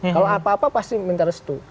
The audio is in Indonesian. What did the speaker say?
kalau apa apa pasti minta restu